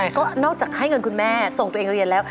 ก็นอกจากให้เงินคุณแม่ส่งตัวเองเรียนแล้ว